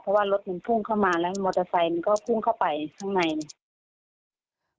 เพราะว่ารถมันพุ่งเข้ามาแล้วมอเตอร์ไซค์มันก็พุ่งเข้าไปข้างในเนี่ย